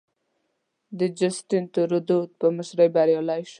د جسټین ترودو په مشرۍ بریالی شو.